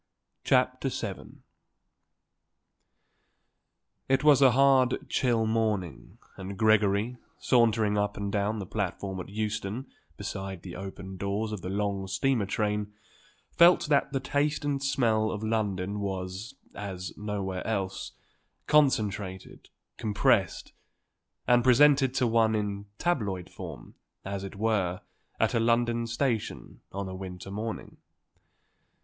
CHAPTER VII It was a hard, chill morning and Gregory, sauntering up and down the platform at Euston beside the open doors of the long steamer train, felt that the taste and smell of London was, as nowhere else, concentrated, compressed, and presented to one in tabloid form, as it were, at a London station on a winter morning.